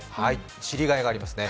知りがいがありますね。